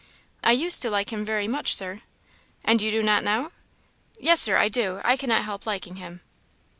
"I used to like him very much, Sir." "And you do not now?" "Yes, Sir, I do; I cannot help liking him."